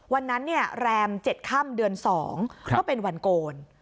วันนั้นแรม๗ค่ำเดือน๒ก็เป็นวันโกน